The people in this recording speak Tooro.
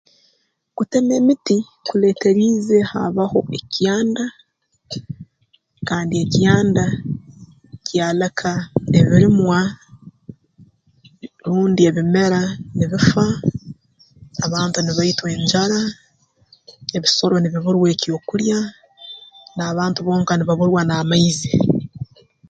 Kutema emiti kuleeteriize haabaho ekyanda kandi ekyanda kyaleka ebirimwa rundi ebimera nibifa abantu nibaitwa enjara ebisoro nibiburwa eky'okulya n'abantu bonka nibaburwa n'amaizi